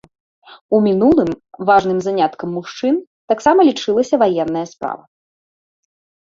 У мінулым важным заняткам мужчын таксама лічылася ваенная справа.